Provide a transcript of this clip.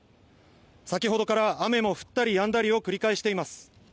先ほどから雨も降ったりやんだりを繰り返しています。